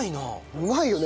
うまいよね。